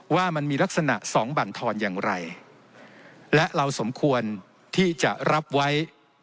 ว่ามันมีลักษณะสองบรรทอนอย่างไรและเราสมควรที่จะรับไว้